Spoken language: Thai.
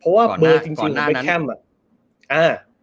เพราะว่าเบอร์จริงของเบคแคมปะ